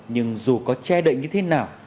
nhưng dù có che đậy như thế nào